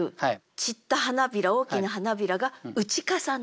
散った花びら大きな花びらが打かさなる。